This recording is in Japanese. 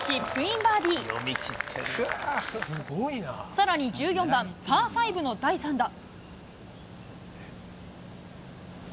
さらに、１４番、パー５の第３打。